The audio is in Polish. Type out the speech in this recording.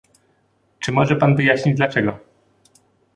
Czy może pan wyjaśnić dlaczego?